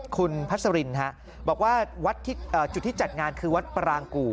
คุณพัสรินบอกว่าจุดที่จัดงานคือวัดปรางกู่